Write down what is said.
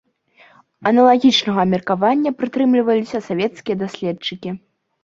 Аналагічнага меркавання прытрымліваліся савецкія даследчыкі.